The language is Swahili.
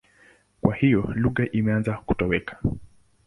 Kwa hiyo lugha imeanza kutoweka.